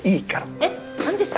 えっ何ですか？